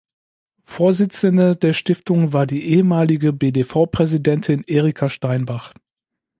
Vorsitzende der Stiftung war die ehemalige BdV-Präsidentin Erika Steinbach.